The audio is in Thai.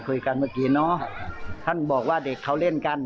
คุยกันเมื่อกี้ท่านบอกว่าเด็กเขาเล่นกัน